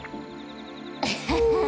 アハハハ。